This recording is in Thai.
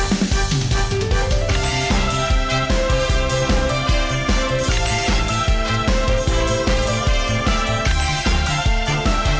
แม่บ้านผสมป้าน